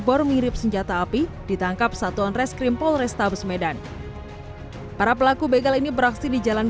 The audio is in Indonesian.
bor mirip senjata api ditangkap satuan reskrim polrestabes medan para pelaku begal ini beraksi di jalan